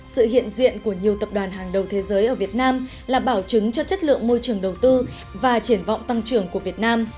sự hiện diện của nhiều tập đoàn hàng đầu thế giới ở việt nam là bảo chứng cho chất lượng môi trường đầu tư và triển vọng tăng trưởng của việt nam